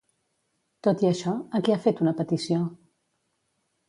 Tot i això, a qui ha fet una petició?